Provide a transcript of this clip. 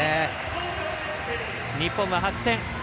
日本が８点。